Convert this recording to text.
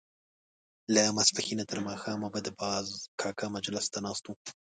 له ماسپښينه تر ماښامه به د باز کاکا مجلس ته ناست وو.